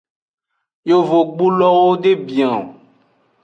Yovogbulowo de bia o.